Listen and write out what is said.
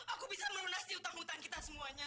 aku bisa merunas di hutang hutang kita semuanya